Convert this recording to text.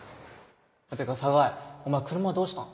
ってか寒河江お前車どうしたん？